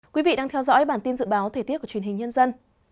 quý vị đang theo dõi bản tin dự báo thời tiết của truyền hình nhân dân